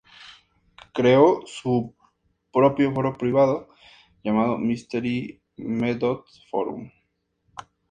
Creó su propio foro privado, llamado "Mystery Method Forum.